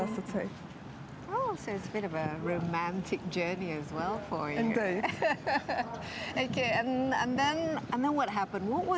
saya berlari lima juta